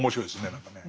何かね。